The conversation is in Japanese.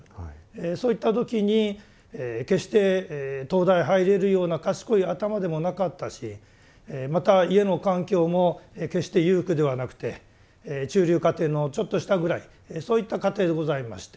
そういった時に決して東大入れるような賢い頭でもなかったしまた家の環境も決して裕福ではなくて中流家庭のちょっと下ぐらいそういった家庭でございまして。